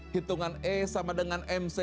hitungan e sama dengan mc